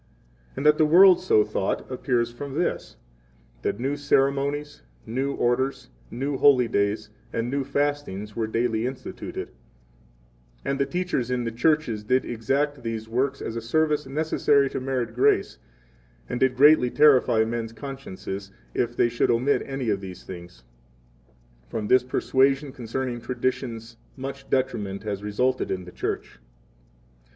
And that 2 the world so thought, appears from this, that new ceremonies, new orders, new holy days, and new fastings were daily instituted, and the teachers in the churches did exact these works as a service necessary to merit grace, and did greatly terrify men's consciences, if they should omit any of these things. 3 From this persuasion concerning traditions much detriment has resulted in the Church.